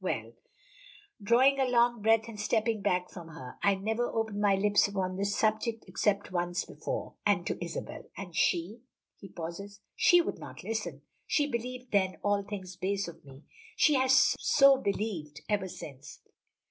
Well " drawing a long breath and stepping back from her "I never opened my lips upon this subject except once before. That was to Isabel. And she" he pauses "she would not listen. She believed, then, all things base of me. She has so believed ever since."